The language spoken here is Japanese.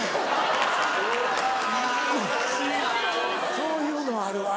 そういうのある。